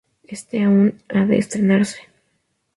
Éste aún ha de estrenarse.